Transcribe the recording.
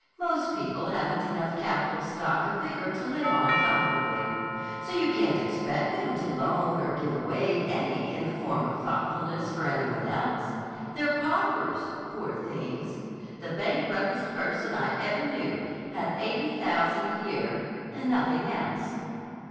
Most people haven't enough capital stock of vigor to live on comfortably. So you can't expect them to loan or give away any in the form of thoughtfulness for any one else. They're paupers, poor things! The bankruptest person I ever knew had eighty thousand a year, and nothing else."